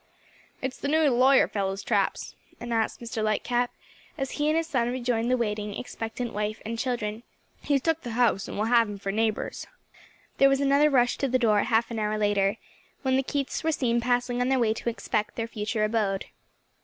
"It's the new lawyer feller's traps," announced Mr. Lightcap, as he and his son rejoined the waiting, expectant wife and children; "he's took the house and we'll have 'em for neighbors." There was another rush to the door, half an hour later, when the Keiths were seen passing on their way to inspect their future abode.